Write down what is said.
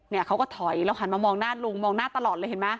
เขาก็ถอยแล้วหันมามองหน้าลุงมองหน้าตลอดเลยเห็นไหม